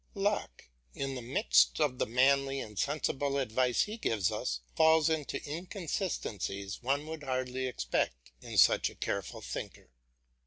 Locke, in the midst of the manly and sensible advice he gives us, falls into inconsistencies one would hardly expect in such a careful thinker.